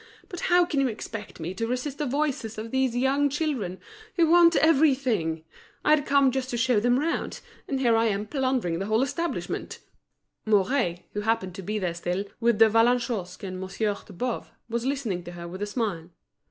But how can you expect me to resist the voices of these young children, who want everything? I had come just to show them round, and here am I plundering the whole establishment!" Mouret, who happened to be there still, with De Vallagnosc and Monsieur de Boves, was listening to her with a smile.